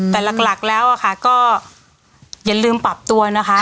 แต่หลักแล้วค่ะก็อย่าลืมปรับตัวนะคะ